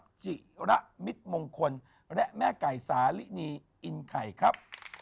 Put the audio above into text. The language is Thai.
จิระมิตมงคลและแม่ไก่สาลินีอินไข่ครับ